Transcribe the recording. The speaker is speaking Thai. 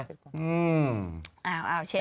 อ่าวเช็คละ